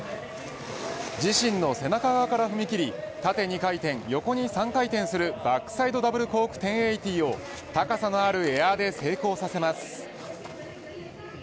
自身の背中側から踏み切り縦２回転横に３回転するバックサイドダブルコーク１０８０を高さのあるエアで成功させます。